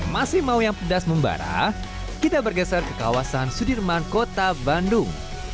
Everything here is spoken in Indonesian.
masih mau yang pedas membarah kita bergeser ke kawasan sudirman kota bandung